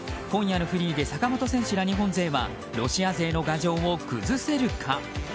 今夜のフリーで坂本選手ら日本勢はロシア勢の牙城を崩せるか。